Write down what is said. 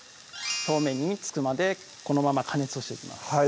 表面に付くまでこのまま加熱をしていきます